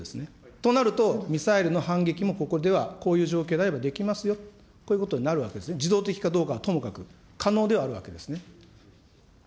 となると、ミサイルの反撃も、ここではこういう状況であればできますよ、こういうことになるわけですね、自動的かどうかはともかく、可能ではあるわけですね。